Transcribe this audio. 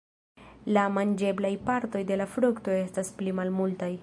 La manĝeblaj partoj de la frukto estas pli malmultaj.